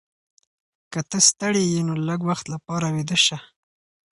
که ته ستړې یې نو لږ وخت لپاره ویده شه.